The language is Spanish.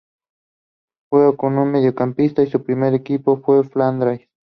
Juega como mediocampista y su primer equipo fue Flandria.